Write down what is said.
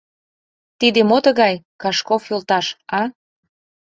— Тиде мо тыгай, Кашков йолташ, а!